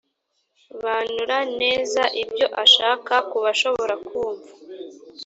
banura neza ibyo ashaka kubashobora kumva